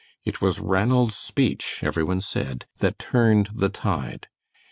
It was Ranald's speech, every one said, that turned the tide.